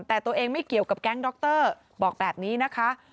แต่ตัวเองไม่เกี่ยวกับแก๊งดรบอกแบบนี้นะคะ